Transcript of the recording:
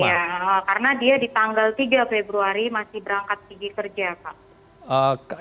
iya karena dia di tanggal tiga februari masih berangkat pergi kerja pak